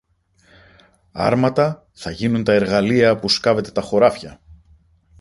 Άρματα θα γίνουν τα εργαλεία που σκάβετε τα χωράφια!